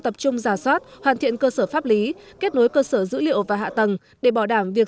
tập trung giả soát hoàn thiện cơ sở pháp lý kết nối cơ sở dữ liệu và hạ tầng để bảo đảm việc